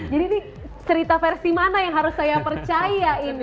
jadi ini cerita versi mana yang harus saya percaya ini